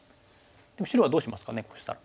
白はどうしますかねこうしたら。